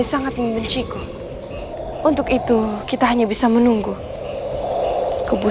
jangan membantah ini perintahku